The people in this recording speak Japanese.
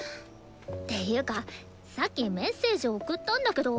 ていうかさっきメッセージ送ったんだけど。